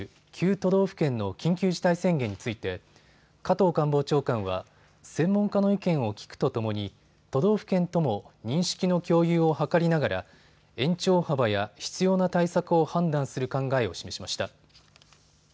都道府県の緊急事態宣言について加藤官房長官は専門家の意見を聴くとともに都道府県とも認識の共有を図りながら延長幅や必要な対策を判断する考えを示しました。